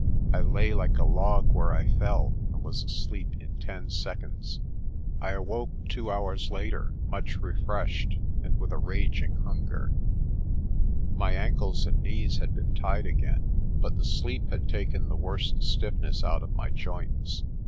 I lay like a log where I fell and was asleep in ten seconds. I awoke two hours later, much refreshed, and with a rag ARCOLL SENDS A MESSAGE 151 ing hunger. My ankles and knees had been tied again, but the sleep had taken the worst stiffness out of my joints.